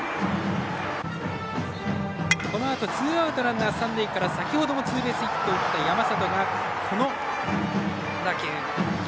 このあとツーアウトランナー、三塁から先ほどもツーベースヒットを打った山里がこの打球。